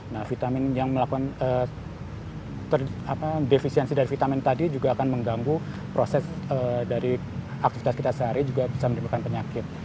nah vitamin yang melakukan defisiensi dari vitamin tadi juga akan mengganggu proses dari aktivitas kita sehari juga bisa menyebabkan penyakit